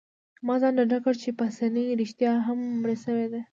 ما ځان ډاډه کړ چي پاسیني رښتیا هم مړی شوی دی.